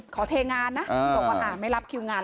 เทงานนะบอกว่าไม่รับคิวงาน